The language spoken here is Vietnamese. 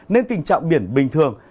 nên tình trạng biển bình thường